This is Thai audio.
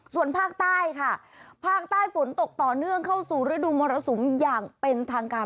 ส่วนภาคใต้ค่ะภาคใต้ฝนตกต่อเนื่องเข้าสู่ฤดูมรสุมอย่างเป็นทางการ